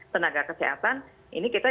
tenaga kesehatan ini kita